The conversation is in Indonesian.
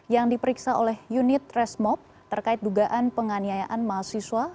yang diperiksa oleh unit resmob terkait dugaan penganiayaan mahasiswa